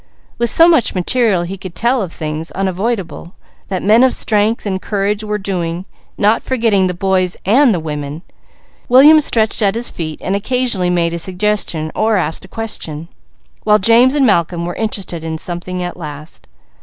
With so much material he could tell of things unavoidable, that men of strength and courage were doing, not forgetting the boys and the women. William stretched at his feet and occasionally made a suggestion, or asked a question, while James and Malcolm were interested in something at last.